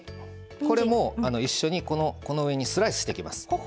これも一緒に、この上にスライスしていきます。